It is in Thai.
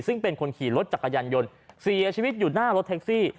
ซึ่งเป็นคนขี่รถจักรยานยนต์เสียชีวิตอยู่หน้ารถแท็กซี่